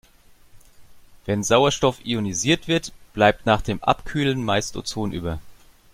Wenn Sauerstoff ionisiert wird, bleibt nach dem Abkühlen meist Ozon über.